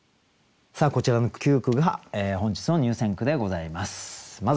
こちらの９句が本日の入選句でございます。